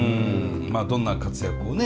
まあどんな活躍をね